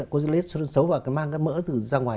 coagulation xấu vào nó mang mỡ ra ngoài